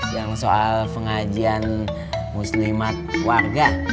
yang soal pengajian muslimat warga